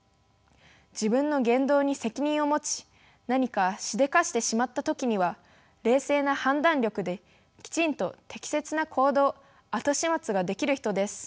自分の言動に責任を持ち何かしでかしてしまった時には冷静な判断力できちんと適切な行動後始末ができる人です。